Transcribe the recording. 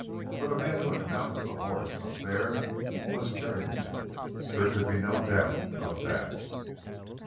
For the man who had mounted the horse up there was Carrington—there could be no doubt of that.